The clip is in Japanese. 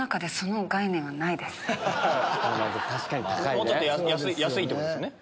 もうちょっと安いってことですよね？